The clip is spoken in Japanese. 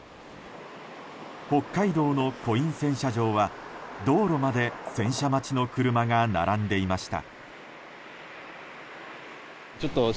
北海道のコイン洗車場は道路まで洗車待ちの車が並んでいました。